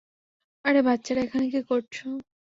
আরে বাচ্চারা এখানে কি করছ?